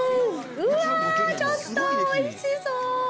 うわー、ちょっと、おいしそう！